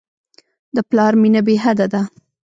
د پلار مینه بېحده ده.